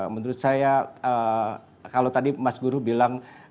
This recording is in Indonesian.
menurut saya kalau tadi mas guru bilang